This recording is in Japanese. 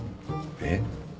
えっ？